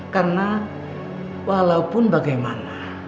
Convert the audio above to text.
karena walaupun bagaimana